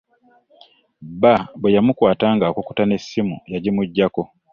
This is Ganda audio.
Bba bwe yamukwata nga akukuta n'essimu, yagimuggyako.